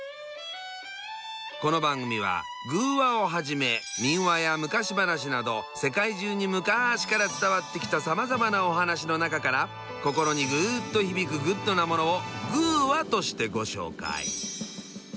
この番組は寓話をはじめ民話や昔話など世界中にむかしから伝わってきたさまざまなお話の中から心にグーッと響くグッドなものを「グぅ！話」としてご紹介。